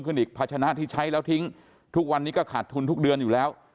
อีกภาชนะที่ใช้แล้วทิ้งทุกวันนี้ก็ขาดทุนทุกเดือนอยู่แล้ว